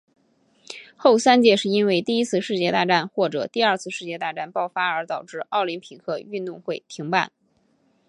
后三届是因为第一次世界大战或者第二次世界大战爆发而导致奥林匹克运动会停办。